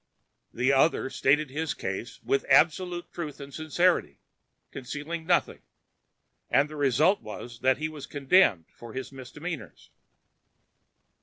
The other stated his Case with absolute Truth and Sincerity, concealing Nothing; and the result was that he was Condemned for his Misdemeanors.